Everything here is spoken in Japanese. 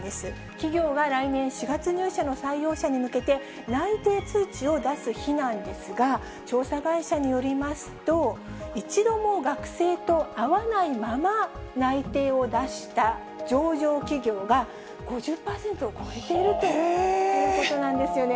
企業が来年４月入社の採用者に向けて、内定通知を出す日なんですが、調査会社によりますと、一度も学生と会わないまま内定を出した上場企業が、５０％を超えているということなんですよね。